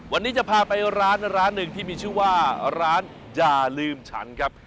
วันนี้จะพาไปร้านร้านหนึ่งที่มีชื่อว่าร้านอย่าลืมฉันครับ